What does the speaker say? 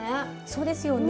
そうですよね。